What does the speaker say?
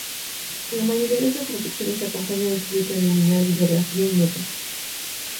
La mayoría de estas traducciones se acompaña de estudio preliminar, bibliografía y notas.